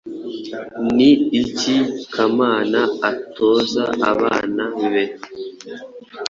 Ni iki Kamana atoza abana be